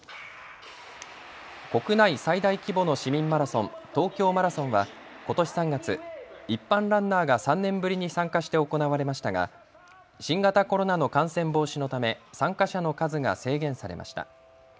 国内最大規模の市民マラソン、東京マラソンはことし３月、一般ランナーが３年ぶりに参加して行われましたが新型コロナの感染防止のため参加者の数が制限されました。